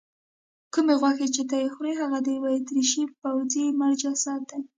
کومې غوښې چې ته یې خورې هغه د یوه اتریشي پوځي مړ جسد دی.